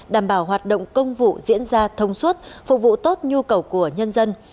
đảm bảo hoạt động công vụ diễn ra thông suốt phục vụ tốt nhu cầu của nhân dân